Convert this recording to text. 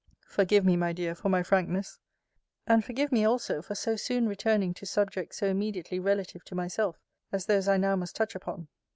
Forgive me, my dear, for my frankness: and forgive me, also, for so soon returning to subject so immediately relative to myself, as those I now must touch upon.